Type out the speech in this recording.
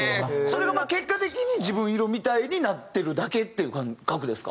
それが結果的に自分色みたいになってるだけっていう感覚ですか？